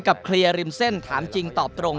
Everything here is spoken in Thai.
เคลียร์ริมเส้นถามจริงตอบตรง